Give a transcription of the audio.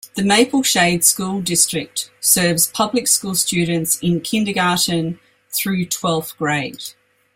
The Maple Shade School District serves public school students in kindergarten through twelfth grade.